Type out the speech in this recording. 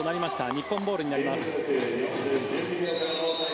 日本ボールになります。